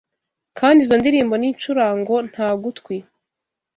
kandi izo ndirimbo n’incurango nta gutwi